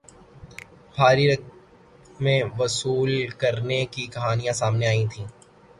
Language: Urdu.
بھاری رقمیں وصول کرنے کی کہانیاں سامنے آئی تھیں